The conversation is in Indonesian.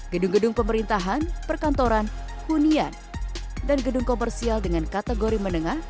gedung gedung pemerintahan perkantoran hunian dan gedung komersial dengan kategori menengah